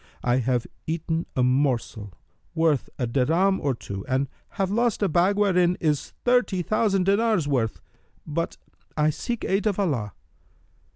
I have eaten a morsel worth a dirham or two and have lost a bag wherein is thirty thousand dinars' worth: but I seek aid of Allah!"